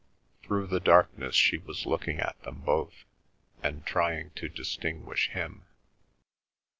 Through the darkness she was looking at them both, and trying to distinguish him.